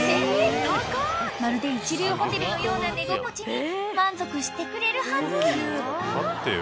［まるで一流ホテルのような寝心地に満足してくれるはず］